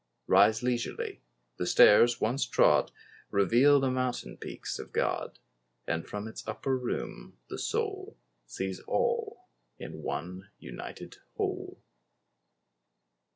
Rise leisurely; the stairs once trod Reveal the mountain peaks of God; And from its upper room the soul Sees all, in one united whole.